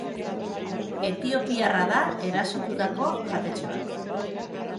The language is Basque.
Etiopiarra da erasotutako jatetxe bat.